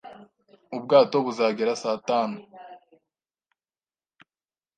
Ubwato buzagera saa tanu.